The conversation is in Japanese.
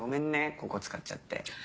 ここ使っちゃって。